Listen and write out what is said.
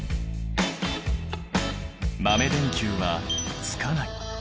豆電球はつかない。